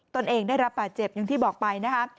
ตนเองได้รับบาดเจ็บอย่างที่บอกไปนะคะ